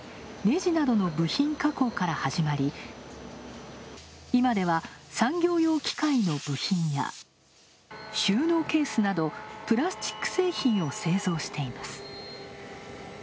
ねじなどの部品加工から始まり今では、産業用機械の部品や収納ケースなど、プラスチック製品を製造しています。